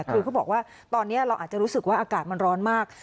คือเขาบอกว่าตอนนี้เราอาจจะรู้สึกว่าอากาศมันร้อนมาก